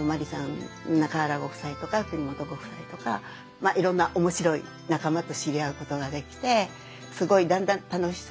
中原ご夫妻とか國本ご夫妻とかいろんなおもしろい仲間と知り合うことができてすごいだんだん楽しさを。